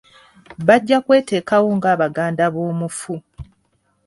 Bajja kweteekawo nga baganda b'omufu.